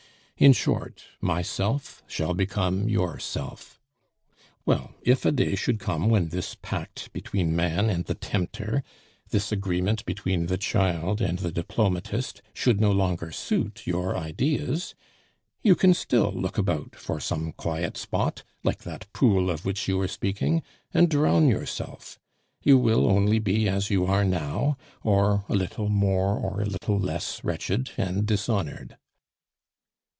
In short, my self shall become your self! Well, if a day should come when this pact between man and the tempter, this agreement between the child and the diplomatist should no longer suit your ideas, you can still look about for some quiet spot, like that pool of which you were speaking, and drown yourself; you will only be as you are now, or a little more or a little less wretched and dishonored."